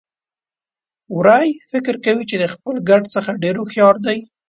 وری فکر کوي چې د خپل ګډ څخه ډېر هوښيار دی.